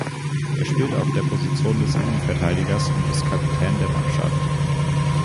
Er spielt auf der Position des Innenverteidigers und ist Kapitän der Mannschaft.